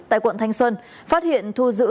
tại quận thanh xuân phát hiện thu giữ